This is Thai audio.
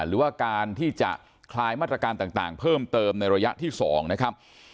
หรือว่าการที่จะคลายมาตรการต่างเพิ่มเติมในระยะที่๒นะครับ